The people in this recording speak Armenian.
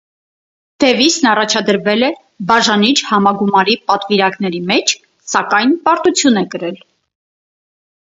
Դևիսն առաջադրվել է «բաժանիչ» համագումարի պատվիրակների մեջ, սակայն պարտություն է կրել։